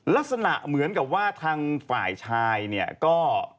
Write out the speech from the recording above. ลักษณะเหมือนกับว่าทางฝ่ายชายเนี่ยก็